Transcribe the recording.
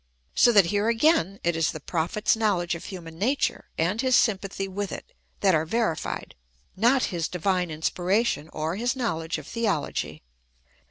So that here again it is the Prophet's knowledge of human nature, and his sympathy with it, that are verified ; not his divine inspiration, or his knowledge of theology.